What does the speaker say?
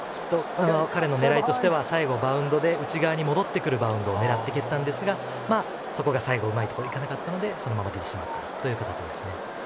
彼の狙いとしては最後、内側に戻ってくるバウンドを狙って蹴ったんですが最後、うまいこと行かなかったのでそのまま出てしまったという形ですね。